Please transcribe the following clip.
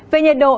về nhiệt độ